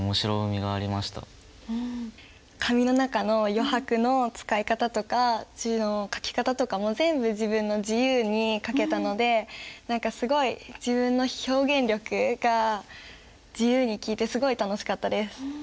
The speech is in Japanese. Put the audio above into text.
紙の中の余白の使い方とか字の書き方とかも全部自分の自由に書けたので自分の表現力が自由に利いてすごい楽しかったです。